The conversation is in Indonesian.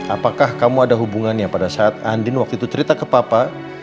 apakah kamu ada hubungannya pada saat andin waktu itu cerita ke papa